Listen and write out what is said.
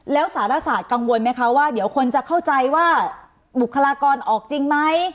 แล้วสารศาสตร์กังวลไหมคะว่าเดี๋ยวคนจะเข้าใจว่าบุคลากรออกจริงไหม